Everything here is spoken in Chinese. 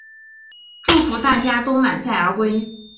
祝福大家都满载而归